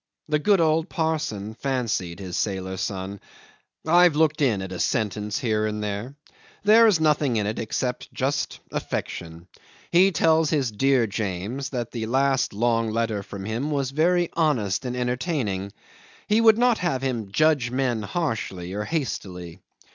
The good old parson fancied his sailor son. I've looked in at a sentence here and there. There is nothing in it except just affection. He tells his "dear James" that the last long letter from him was very "honest and entertaining." He would not have him "judge men harshly or hastily."